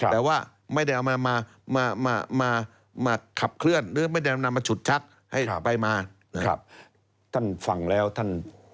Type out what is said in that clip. แต่ว่าไม่ได้เอามามาขับเคลื่อน